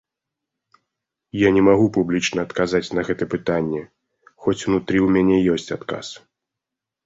Я не магу публічна адказаць на гэта пытанне, хоць унутры ў мяне ёсць адказ.